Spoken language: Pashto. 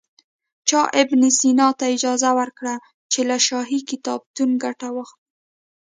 چا ابن سینا ته اجازه ورکړه چې له شاهي کتابتون ګټه واخلي.